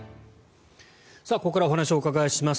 ここからお話をお伺いします。